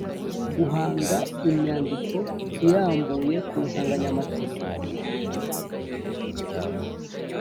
Guhanga imyandiko irambuye ku nsanganyamatsiko